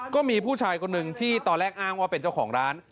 ก็มีผู้ชายคนหนึ่งที่ตอนแรกอ้างว่าเป็นเจ้าของร้าน